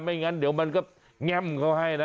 งั้นเดี๋ยวมันก็แง่มเขาให้นะ